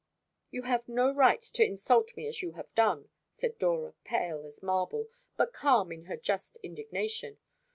"You have no right to insult me as you have done," said Dora, pale as marble, but calm in her just indignation.